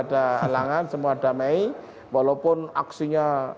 ada halangan semua damai walaupun aksinya